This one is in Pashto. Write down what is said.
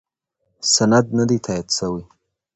سند نه دی تایید شوی.